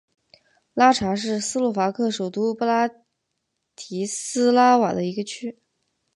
拉察是斯洛伐克首都布拉提斯拉瓦的一个区。